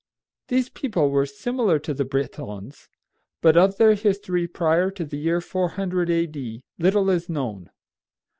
These people were similar to the Britons, but of their history prior to the year 400 A.D. little is known.